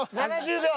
７０秒。